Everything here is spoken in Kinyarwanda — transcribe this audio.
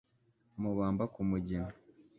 amubamba ku mugina